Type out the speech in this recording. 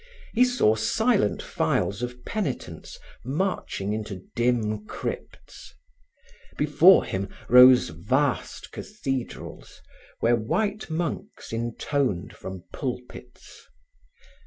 He saw silent files of penitents marching into dim crypts. Before him rose vast cathedrals where white monks intoned from pulpits.